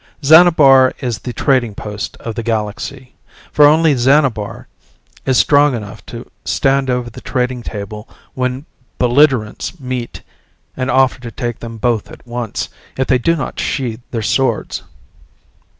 Xanabar is the trading post of the galaxy, for only Xanabar is strong enough to stand over the trading table when belligerents meet and offer to take them both at once if they do not sheathe their swords.